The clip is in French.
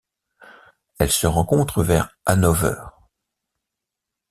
Elle se rencontre vers Hanover.